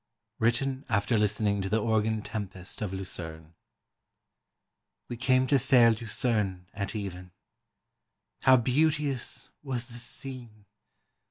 Written after listening to the Organ Tempest of Lucerne. [ EASTER. ] We came to fair Lucerne at even, — How beauteous was the scene